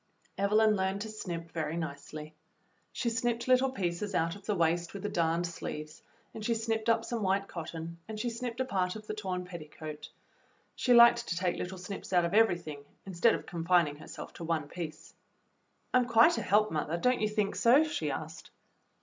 Evelyn learned to snip very nicely. She snipped little pieces out of the waist with the darned sleeves, and she snipped up some white cotton, and she snipped a part of the torn petticoat. She liked to take little snips out of everything, instead of confin ing herself to one piece. "I'm quite a help, mother, don't you think so.^" she asked.